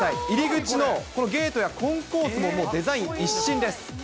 入り口のこのゲートやコンコースもデザイン一新です。